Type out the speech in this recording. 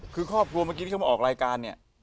คือครอบครัวเมื่อกี้ที่เขามาออกรายการเนี่ย